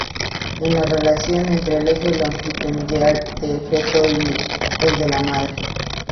Es la relación entre el eje longitudinal del feto y el de la madre.